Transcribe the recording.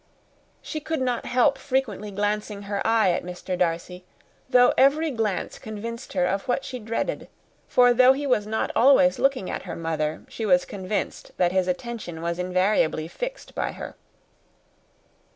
She could not help frequently glancing her eye at Mr. Darcy, though every glance convinced her of what she dreaded; for though he was not always looking at her mother, she was convinced that his attention was invariably fixed by her.